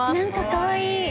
かわいい。